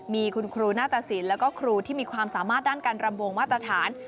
มีคุณครูหน้าตสินแล้วก็ครูที่มีความสามารถด้านการรำวงมาตรฐาน